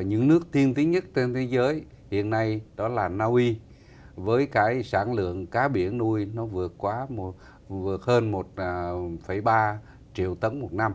những nước tiên tiến nhất trên thế giới hiện nay đó là naui với cái sản lượng cá biển nuôi nó vượt hơn một ba triệu tấn một năm